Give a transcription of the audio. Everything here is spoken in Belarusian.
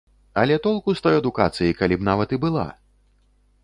Але толку з той адукацыі, калі б нават і была!